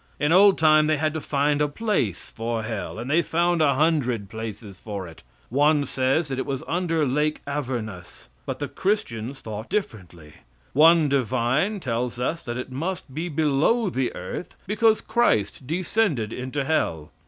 In old time they had to find a place for hell and they found a hundred places for it. One says that it was under Lake Avernus, but the Christians thought differently. One divine tells us that it must be below the earth because Christ descended into hell.